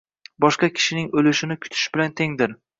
Boshqa kishining o’lishini kutish bilan tengdir